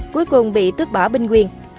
cuối cùng bị tước bỏ binh quyền